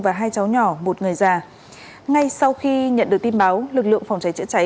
và hai cháu nhỏ một người già ngay sau khi nhận được tin báo lực lượng phòng cháy chữa cháy